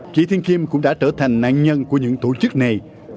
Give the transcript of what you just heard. chị thiên cũng đã trở thành nạn nhân của những tổ chức này